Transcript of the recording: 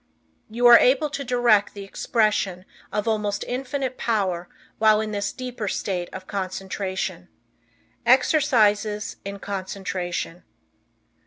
You are able to direct the expression of almost Infinite Power while in this deeper state of concentration. Exercises In Concentration.